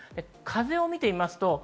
風を見てみます。